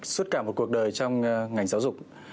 suốt cả một cuộc đời trong ngành giáo dục